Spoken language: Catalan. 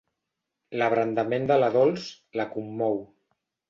L'abrandament de la Dols la commou.